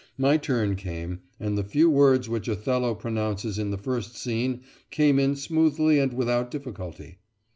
My turn came, and the few words which Othello pronounces in the first scene came in smoothly and without difficulty.